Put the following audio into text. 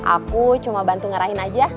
aku cuma bantu ngerahin aja